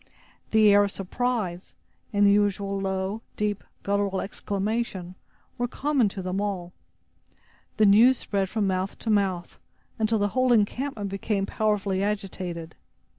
The air of surprise, and the usual low, deep, guttural exclamation, were common to them all. The news spread from mouth to mouth, until the whole encampment became powerfully agitated.